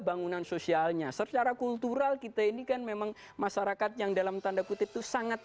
bangunan sosialnya secara kultural kita ini kan memang masyarakat yang dalam tanda kutip itu sangat